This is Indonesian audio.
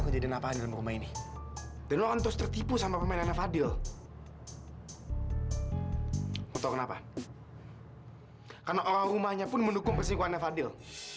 karena orang rumahnya pun mendukung persingkuannya fadil